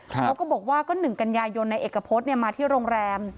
เขาก็บอกว่าหนึ่งกัญญายนในเอกพจน์มาที่โรงแรม